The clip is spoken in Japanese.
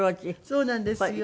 そうなんですよ。